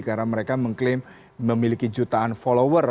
karena mereka mengklaim memiliki jutaan follower